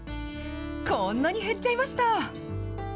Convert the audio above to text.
こんなに減っちゃいました。